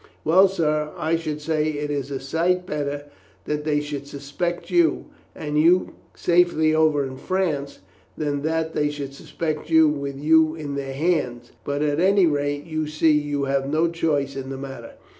"Well, sir, I should say it is a sight better that they should suspect you, and you safely over in France, than that they should suspect you with you in their hands; but at any rate, you see you have no choice in the matter.